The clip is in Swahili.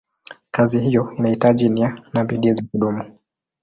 Kazi hiyo inahitaji nia na bidii za kudumu.